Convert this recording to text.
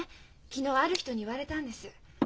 昨日ある人に言われたんです。